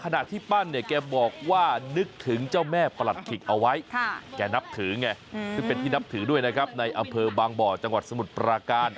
ในอำเภอบางบ่อจังหวัดสมุทรปราการ